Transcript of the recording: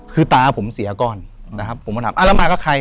คือตาผมเสียก่อนนะครับผมมาถามอ่าแล้วมากับใคร